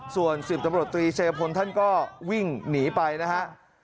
ส่วน๑๐ตำรวจตรีเชยพลท่านก็วิ่งหนีไปนะฮะ